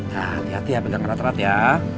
nah hati hati ya pegang rat rat ya